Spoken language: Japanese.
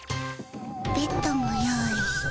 ベッドも用意して。